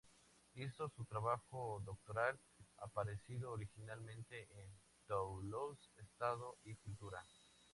Hizo su trabajo doctoral, aparecido originariamente en Toulouse, "Estado y cultura.